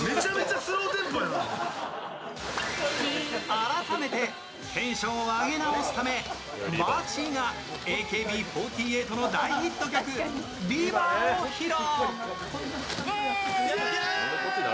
改めてテンションを上げ直すためバーチーがＡＫＢ４８の大ヒット曲「ＲＩＶＥＲ」を披露。